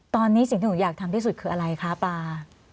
ตอนนี้สิ่งที่หนูอยากทำที่สุดคืออะไรคะปลา